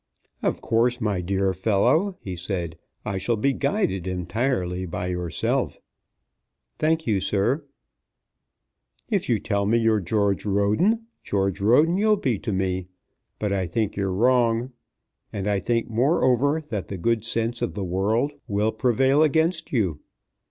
"Of course, my dear fellow," he said, "I shall be guided entirely by yourself." "Thank you, sir." "If you tell me you're George Roden, George Roden you'll be to me. But I think you're wrong. And I think moreover that the good sense of the world will prevail against you.